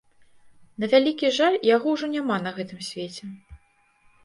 На вялікі жаль, яго ўжо няма на гэтым свеце.